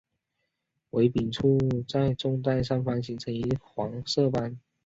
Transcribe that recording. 尾柄处在纵带上方形成一黄色斑。